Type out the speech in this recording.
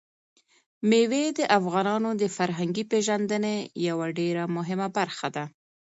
مېوې د افغانانو د فرهنګي پیژندنې یوه ډېره مهمه برخه ده.